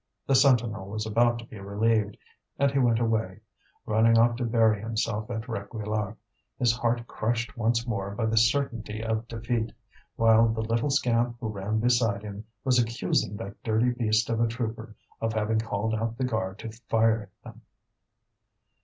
The sentinel was about to be relieved, and he went away, running off to bury himself at Réquillart, his heart crushed once more by the certainty of defeat; while the little scamp who ran beside him was accusing that dirty beast of a trooper of having called out the guard to fire at them.